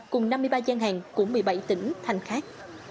cùng năm mươi ba gian hàng của một mươi bảy tỉnh thành khác